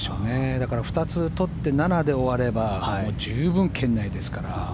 だから、２つ取って７で終われば十分圏内ですから。